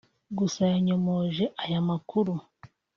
gusa yanyomoje aya makuru